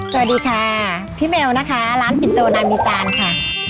สวัสดีค่ะพี่เมลนะคะร้านปินโตนามิตานค่ะ